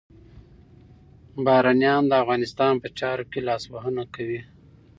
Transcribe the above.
بهرنیان د افغانستان په چارو کي لاسوهنه کوي.